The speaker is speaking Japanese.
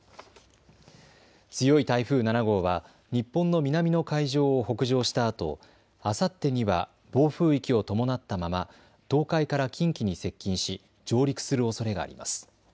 強い台風７号は日本の南の海上を北上したあと、あさってには暴風域を伴ったまま東海から近畿に接近し上陸するおそれがあります。